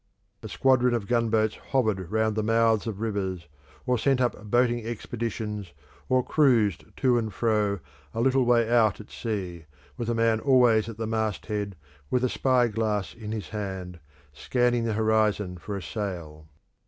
A squadron of gunboats hovered round the mouths of rivers, or sent up boating expeditions, or cruised to and fro a little way out at sea, with a man always at the mast head with a spy glass in his hand, scanning the horizon for a sail.